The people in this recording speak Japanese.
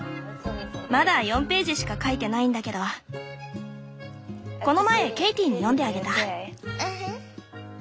まだ４ページしか書いてないんだけどこの前ケイティに読んであげた。